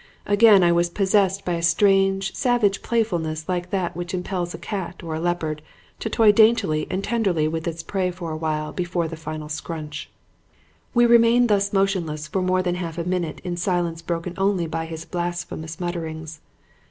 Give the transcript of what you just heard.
Again I was possessed by a strange, savage playfulness like that which impels a cat or leopard to toy daintily and tenderly with its prey for a while before the final scrunch. "We remained thus motionless for more than half a minute in a silence broken only by his blasphemous mutterings.